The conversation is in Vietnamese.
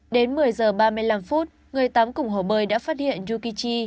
đến một mươi giờ ba mươi năm phút người tám cùng hồ bơi đã phát hiện yukichi